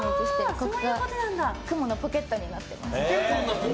ここが雲のポケットになってます。